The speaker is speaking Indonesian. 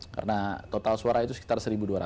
karena total suara itu sekitar seribu dua ratus